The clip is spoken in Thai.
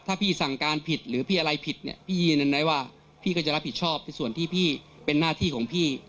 ถ้าพี่สั่งการผิดหรือพี่อะไรผิดเนี่ยพี่ยืนยันได้ว่าพี่ก็จะรับผิดชอบในส่วนที่พี่เป็นหน้าที่ของพี่